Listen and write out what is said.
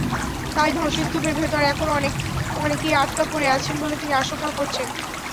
তাই ধ্বংসস্তূপের ভেতর এখন অনেকেই আটকা পড়ে আছেন বলে তিনি আশঙ্কা করছেন।